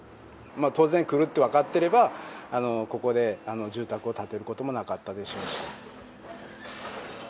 当然、来るって分かってれば、ここで住宅を建てることもなかったでしょうし。